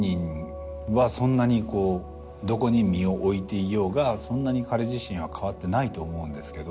どこに身を置いていようがそんなに彼自身は変わってないと思うんですけど。